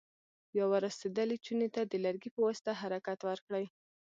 بیا ور رسېدلې چونې ته د لرګي په واسطه حرکت ورکړئ.